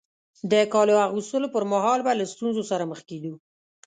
د کالو اغوستلو پر مهال به له ستونزو سره مخ کېدو.